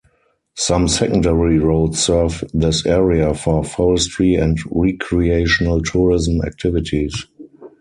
Some secondary roads serve this area for forestry and recreational tourism activities.